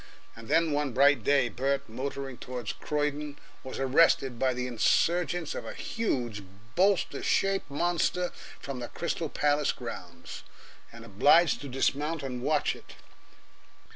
And then one bright day Bert, motoring toward Croydon, was arrested by the insurgence of a huge, bolster shaped monster from the Crystal Palace grounds, and obliged to dismount and watch it.